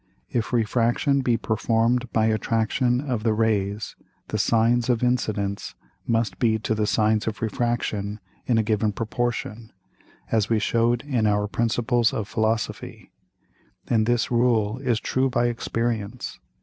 If Refraction be perform'd by Attraction of the Rays, the Sines of Incidence must be to the Sines of Refraction in a given Proportion, as we shew'd in our Principles of Philosophy: And this Rule is true by Experience.